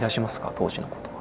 当時のことは。